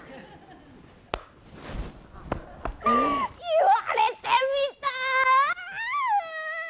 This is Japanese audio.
言われてみたい。